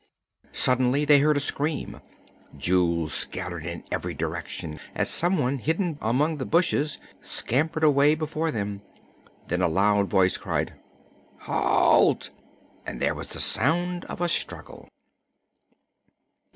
Suddenly they heard a scream. Jewels scattered in every direction as some one hidden among the bushes scampered away before them. Then a loud voice cried: "Halt!" and there was the sound of a struggle.